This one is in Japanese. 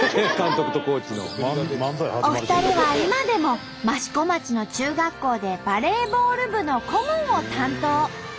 お二人は今でも益子町の中学校でバレーボール部の顧問を担当。